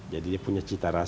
jadi dia punya cita rasa